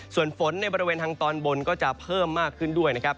ส่วนฝนในบริเวณทางตอนบนก็จะเพิ่มมากขึ้นด้วยนะครับ